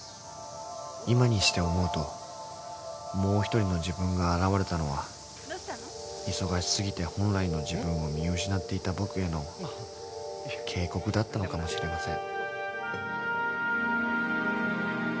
［今にして思うともう一人の自分が現れたのは忙し過ぎて本来の自分を見失っていた僕への警告だったのかもしれません］